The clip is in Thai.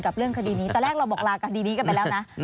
เรื่องคดีนี้ตอนแรกเราบอกลาคดีนี้กันไปแล้วนะ